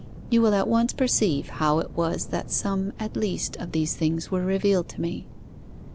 You will at once perceive how it was that some at least of these things were revealed to me.